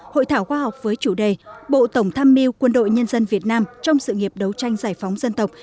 hội thảo khoa học với chủ đề bộ tổng tham mưu quân đội nhân dân việt nam trong sự nghiệp đấu tranh giải phóng dân tộc